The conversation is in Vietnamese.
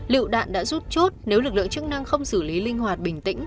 liệu đạn đã rút chốt nếu lực lượng chức năng không xử lý linh hoạt bình tĩnh